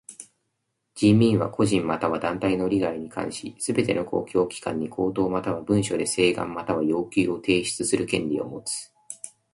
人民は個人または団体の利害に関しすべての公共機関に口頭または文書で請願または要求を提出する権利をもつ。